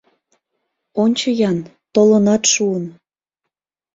Ончо-ян, толынат шуын.